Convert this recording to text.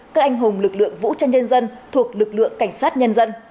các anh hùng lực lượng vũ trang nhân dân thuộc lực lượng cảnh sát nhân dân